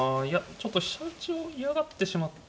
ちょっと飛車打ちを嫌がってしまって。